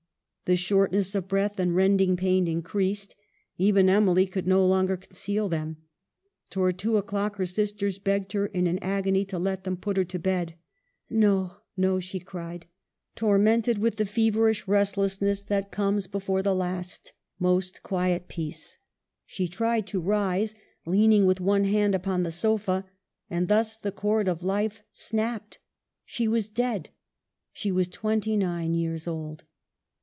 The shortness of breath and rending pain increased ; even Emily could no longer conceal them. Towards two o'clock her sisters begged her, in an agony, to let them put her to bed. " No, no," she cried ; tormented with the feverish restlessness that comes before 308 EMILY BRONTE. the last, most quiet peace. She tried to rise, leaning with one hand upon the sofa. And thus the chord of life snapped. She was dead. She was twenty nine years old.